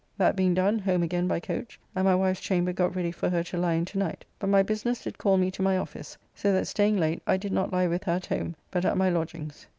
That being done, home again, by coach, and my wife's chamber got ready for her to lie in to night, but my business did call me to my office, so that staying late I did not lie with her at home, but at my lodgings.